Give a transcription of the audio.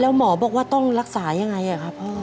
แล้วหมอบอกว่าต้องรักษายังไงครับพ่อ